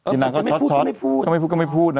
กินนางก็ช็อตก็ไม่พูดก็ไม่พูดก็ไม่พูด